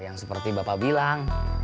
yang seperti bapak bilang